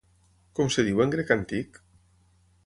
Com es diu en grec antic?